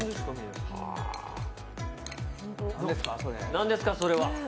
何ですか、それは？